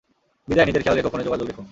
বিদায়, নিজের খেয়াল রেখো ফোনে যোগাযোগ রেখো।